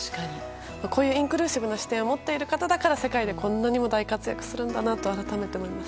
こういうインクルーシブな視点を持っている方だから世界でこんなにも大活躍するんだなと改めて思います。